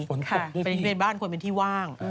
ค่ะเป็นที่เป็นบ้านเป็นที่ว่าง